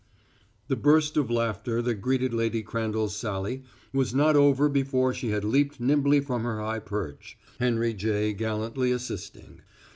The burst of laughter that greeted Lady Crandall's sally was not over before she had leaped nimbly from her high perch, Henry J. gallantly assisting.